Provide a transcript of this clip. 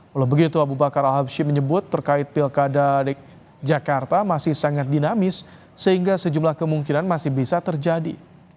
walau begitu abu bakar al habshi menyebut terkait pilkada jakarta masih sangat dinamis sehingga sejumlah kemungkinan masih bisa terjadi